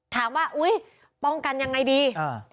ถามว่าต้องกันยังไงดี